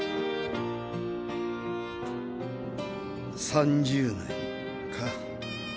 ３０年か。